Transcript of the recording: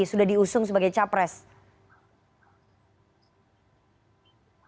mas hasto itu masih masih di dalam perjalanan